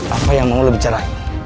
apa yang mau lo bicara